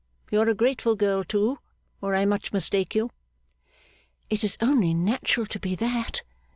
You are a grateful girl too, or I much mistake you.' 'It is only natural to be that.